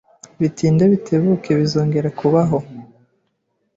Bitinde bitebuke bizongera kubaho.